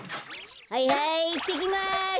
はいはいいってきます。